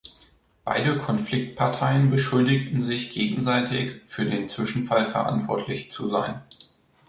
Beide Konfliktparteien beschuldigten sich gegenseitig, für den Zwischenfall verantwortlich zu sein.